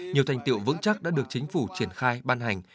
nhiều thành tiệu vững chắc đã được chính phủ triển khai ban hành